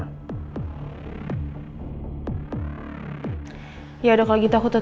tapi ada hal lain yang difikirin mama